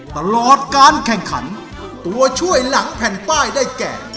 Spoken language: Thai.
ตลอดการแข่งขันตัวช่วยหลังแผ่นป้ายได้แก่